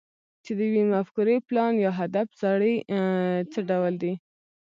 چې د يوې مفکورې، پلان، يا هدف زړی څه ډول دی؟